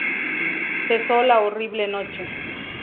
Cesó la horrible noche!